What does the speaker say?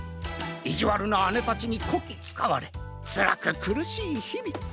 いじわるなあねたちにこきつかわれつらくくるしいひび。